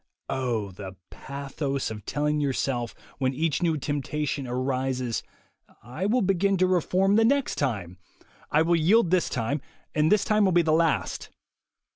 Oh, the pathos of telling yourself, when each new temptation arises : "I will begin to reform the next time. I will yield this time, and this will be the last."